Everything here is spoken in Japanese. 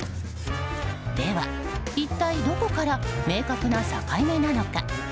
では、一体どこから明確な境目なのか。